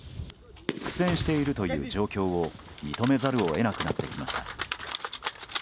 苦戦をしているという状況を認めざるを得なくなってきました。